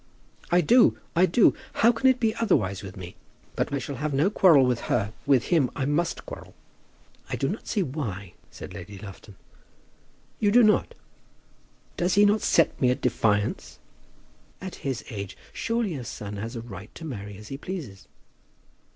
"I do; I do. How can it be otherwise with me? But I shall have no quarrel with her. With him I must quarrel." "I do not see why," said Lady Lufton. "You do not? Does he not set me at defiance?" "At his age surely a son has a right to marry as he pleases."